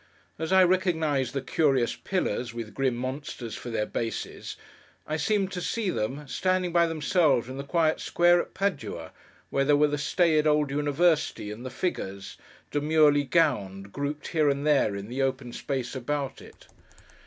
As I recognised the curious pillars with grim monsters for their bases, I seemed to see them, standing by themselves in the quiet square at Padua, where there were the staid old University, and the figures, demurely gowned, grouped here and there in the open space about it.